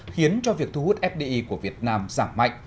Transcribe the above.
khiến cho việc thu hút fdi của việt nam giảm mạnh